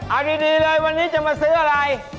เอาดีเลยวันนี้จะมาซื้ออะไร